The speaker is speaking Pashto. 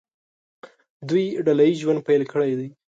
دوی ډله ییز ژوند پیل کړی دی.